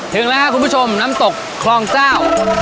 ถึงแล้วครับคุณผู้ชมน้ำตกคลองเจ้า